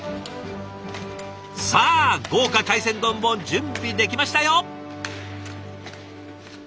さあ豪華海鮮丼も準備できましたよ！